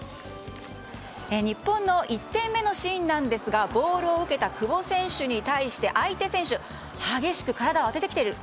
日本の１点目のシーンですがボールを受けた久保選手に対して相手選手が激しく体を当ててきている。